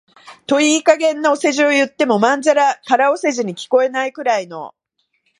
といい加減なお世辞を言っても、まんざら空お世辞に聞こえないくらいの、